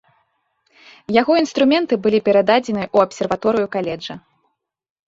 Яго інструменты былі перададзеныя ў абсерваторыю каледжа.